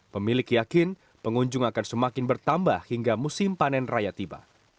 pemilik yakin pengunjung akan semakin bertambah hingga musim panen raya tiba